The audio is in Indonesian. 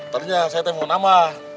ternyata saya tanya nama